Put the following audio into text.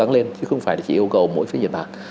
cố gắng lên chứ không phải chỉ yêu cầu mỗi phía nhật bản